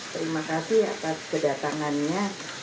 terima kasih atas kedatangannya